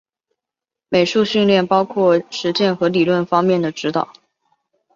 美术训练包括实践和理论方面的指导。